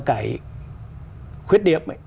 cái khuyết điểm